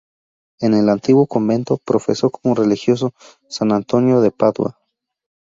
En el antiguo convento profesó como religioso san Antonio de Padua.